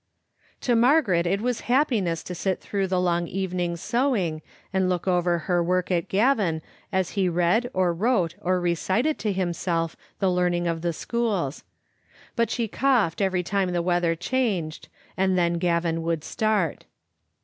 To Margaret it was happiness to sit through the long evenings sewing, and look over her work at Gavin as he read or wrote or recited to himself the learning of the schools. But she coughed every time the weather changed, and then Gavin would start.